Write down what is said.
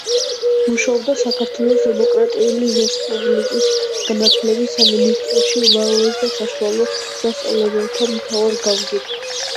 მუშაობდა საქართველოს დემოკრატიული რესპუბლიკის განათლების სამინისტროში უმაღლეს და საშუალო სასწავლებელთა მთავარ გამგედ.